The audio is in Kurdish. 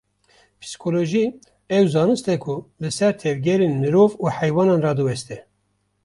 Psîkolojî, ew zanist e ku li ser tevgerên mirov û heywanan radiweste